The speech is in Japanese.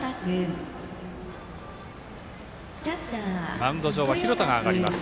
マウンド上は廣田が上がります。